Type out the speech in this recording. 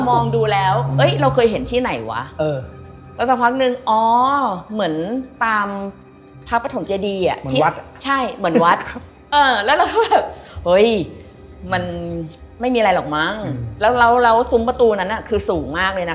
มันมีอะไรหรอกมั้งแล้วสุมประตูนั้นคือสูงมากดินะวะ